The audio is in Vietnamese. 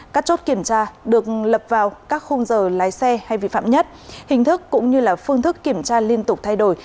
các chốt kiểm tra được lập vào các khung giờ lái xe hay vi phạm nhất hình thức cũng như là phương thức kiểm tra liên tục thay đổi